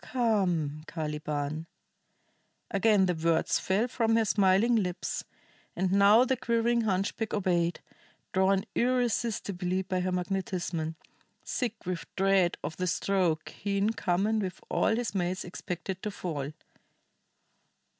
"Come, Caliban!" Again the words fell from her smiling lips, and now the quivering hunchback obeyed, drawn irresistibly by her magnetism, sick with dread of the stroke he in common with all his mates expected to fall.